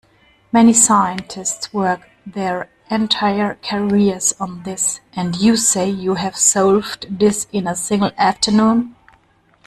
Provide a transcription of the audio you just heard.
Many scientists work their entire careers on this, and you say you have solved this in a single afternoon?